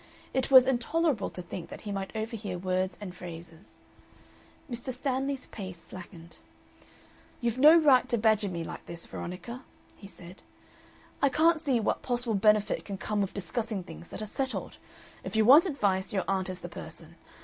It was intolerable to think that he might overhear words and phrases. Mr. Stanley's pace slackened. "You've no right to badger me like this, Veronica," he said. "I can't see what possible benefit can come of discussing things that are settled. If you want advice, your aunt is the person.